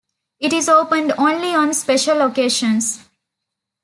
It is opened only on special occasions.